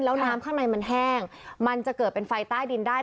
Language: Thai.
แล้วน้ำข้างในมันแห้งมันจะเกิดเป็นไฟใต้ดินได้